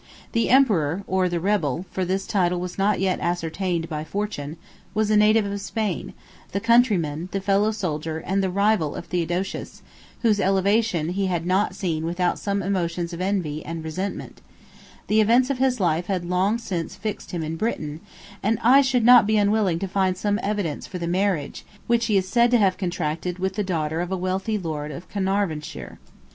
The emperor, or the rebel,—for this title was not yet ascertained by fortune,—was a native of Spain, the countryman, the fellow soldier, and the rival of Theodosius whose elevation he had not seen without some emotions of envy and resentment: the events of his life had long since fixed him in Britain; and I should not be unwilling to find some evidence for the marriage, which he is said to have contracted with the daughter of a wealthy lord of Caernarvonshire.